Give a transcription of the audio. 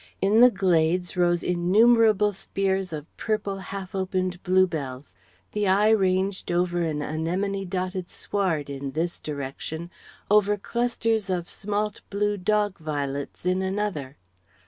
In the glades rose innumerable spears of purple half opened bluebells; the eye ranged over an anemone dotted sward in this direction; over clusters of smalt blue dog violets in another.